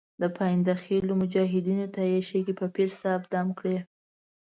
د پاینده خېلو مجاهدینو ته یې شګې په پیر صاحب دم کړې.